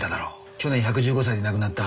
去年１１５歳で亡くなった。